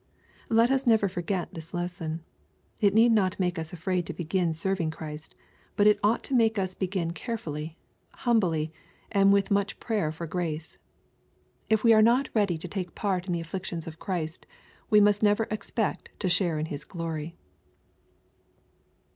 Let us never forget this lesson. It need n<rt make us afraid to begin serving Christ, but it ought to make us begiq 340 EXPOSITORY THOUGHTS. earefull;, humbly, and with much prayer for grace. If we are not ready to take part in the afSictions of Christ, we must never expect to share His glory.